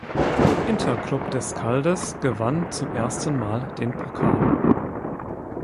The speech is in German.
Inter Club d’Escaldes gewann zum ersten Mal den Pokal.